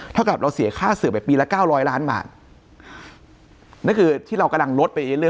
เท่ากราบเราเสียค่าเสริมนายปีละ๙๐๐ล้านหมานั่นคือที่เรากำลังลดไปเรื่อย